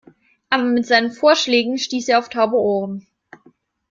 Aber mit seinen Vorschlägen stieß er auf taube Ohren.